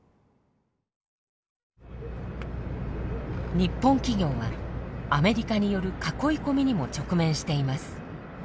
日本企業はアメリカによる囲いこみにも直面しています。